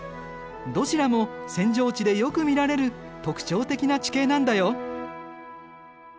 どちらも扇状地でよく見られる特徴的な地形なんだよ。